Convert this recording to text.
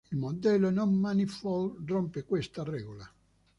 Il modello "non-manifold" rompe questa regola.